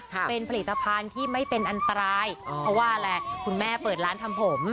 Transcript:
เป็นผลิตภัณฑ์ที่ไม่เป็นอันตรายเพราะว่าอะไรคุณแม่เปิดร้านทำผม